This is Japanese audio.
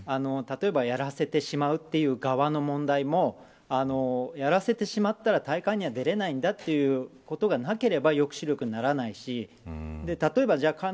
例えばやらせてしまうという側の問題もやらせてしまったら大会には出られないんだということがなければ抑止力にならないしじゃあ